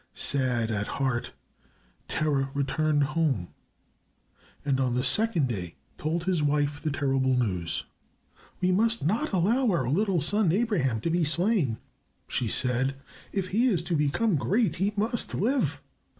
Sad at heart Terah returned home, and on the second day told his wife the terrible news. "We must not allow our little son, Abraham, to be slain," she said. "If he is to become great he must live.